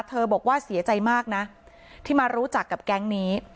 บอกว่าเสียใจมากนะที่มารู้จักกับแก๊งนี้